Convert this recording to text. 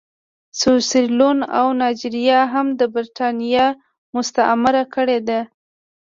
خو سیریلیون او نایجیریا هم برېټانیا مستعمره کړي دي.